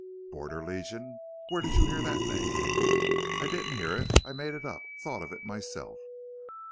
"Border Legion? Where'd you hear that name?" "I didn't hear it. I made it up thought of it myself."